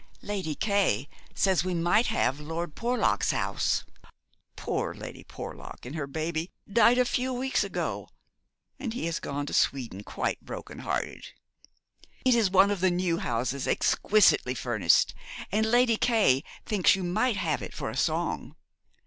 Lady K. says we might have Lord Porlock's house poor Lady Porlock and her baby died a few weeks ago, and he has gone to Sweden quite broken hearted. It is one of the new houses, exquisitely furnished, and Lady K. thinks you might have it for a song.